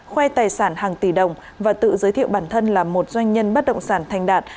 khoe tài sản hàng tỷ đồng và tự giới thiệu bản thân là một doanh nhân bất động sản thành đạt